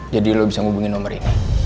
jadi lo bisa hubungi nomor ini